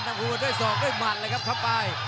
ทำหัวด้วยสอกด้วยหมันเลยครับคำไว